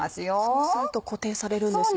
そうすると固定されるんですね。